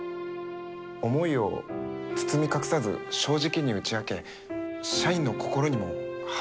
思いを包み隠さず正直に打ち明け社員の心にも花を咲かせる。